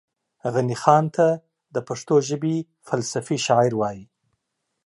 غني خان ته دا پښتو ژبې فلسفي شاعر وايي